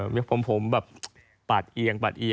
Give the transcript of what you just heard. มีทรงผมแบบปาดเอียงอย่างนี้